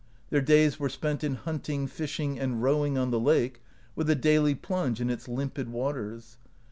Their days were spent in hunting, fishing, and rowing on the lake, with a daily. plunge in its limpid waters.